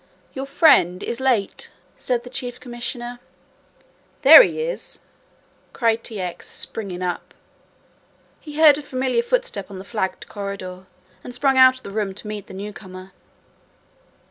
"Your friend is late," said the Chief Commissioner. "There he is," cried T. X., springing up. He heard a familiar footstep on the flagged corridor, and sprung out of the room to meet the newcomer.